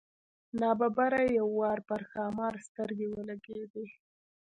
نا ببره یې یو وار پر ښامار سترګې ولګېدې.